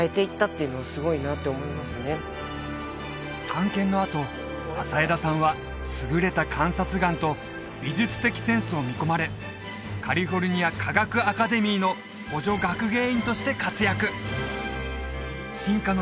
探検のあと朝枝さんは優れた観察眼と美術的センスを見込まれカリフォルニア科学アカデミーの補助学芸員として活躍進化の島に魅せられた多くの人々のおかげで